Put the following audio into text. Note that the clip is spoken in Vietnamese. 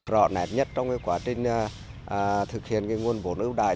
rõ nẹp nhất trong quá trình thực hiện nguồn phổn ưu đại